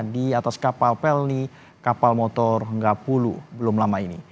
di atas kapal pelni kapal motor nggak puluh belum lama ini